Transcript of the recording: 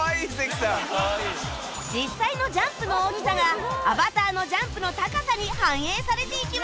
実際のジャンプの大きさがアバターのジャンプの高さに反映されていきます